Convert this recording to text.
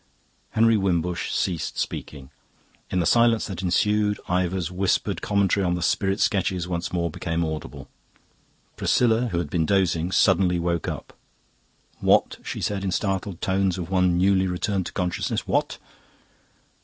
Henry Wimbush ceased speaking. In the silence that ensued Ivor's whispered commentary on the spirit sketches once more became audible. Priscilla, who had been dozing, suddenly woke up. "What?" she said in the startled tones of one newly returned to consciousness; "what?"